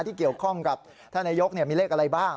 ที่เกี่ยวข้องกับท่านนายกมีเลขอะไรบ้าง